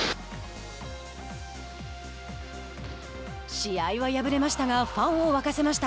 試合は敗れましたがファンを沸かせました。